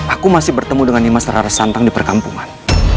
aku masih bertemu dengan dimas rara santang di perkampungan